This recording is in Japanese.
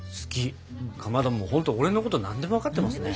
かまどもうほんと俺のこと何でも分かってますね。